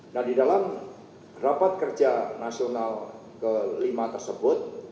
nah di dalam rapat kerja nasional ke lima tersebut